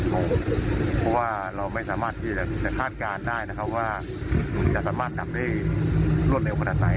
เพราะว่าเราไม่สามารถที่จะคาดการณ์ได้นะครับว่าคุณจะสามารถดับได้รวดเร็วขนาดไหน